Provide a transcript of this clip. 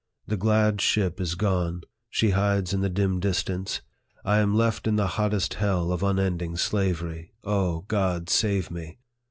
The glad ship is gone ; she hides in the dim distance. I am left in the hottest hell of un ending slavery. O God, save me